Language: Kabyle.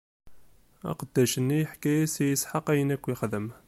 Aqeddac-nni yeḥka-yas i Isḥaq ayen akk ixdem.